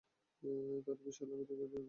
তাদের বিষয় আল্লাহ ব্যতীত কেউ জানে না।